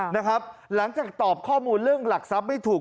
หลังจากตอบข้อมูลเรื่องหลักทรัพย์ไม่ถูก